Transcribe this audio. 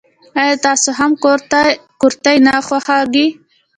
آیا تاسو هم کورت نه خوښیږي.